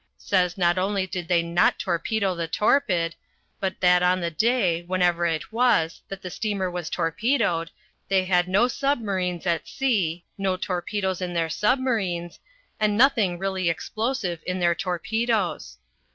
Says not only did they not torpedo the Torpid, but that on the day (whenever it was) that the steamer was torpedoed they had no submarines at sea, no torpedoes in their submarines, and nothing really explosive in their torpedoes.